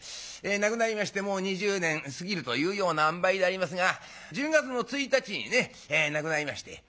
亡くなりましてもう２０年過ぎるというようなあんばいでありますが１０月の１日にね亡くなりまして。